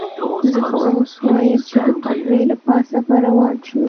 زه خو وایم، چې د پټلۍ له پاسه به روان شو.